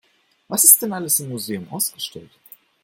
Was ist denn alles im Museum ausgestellt?